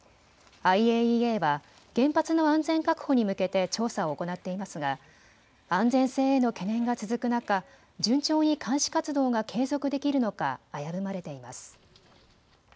ＩＡＥＡは原発の安全確保に向けて調査を行っていますが安全性への懸念が続く中、順調に監視活動が継続できるのか危ぶまれています。